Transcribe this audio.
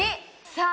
さあ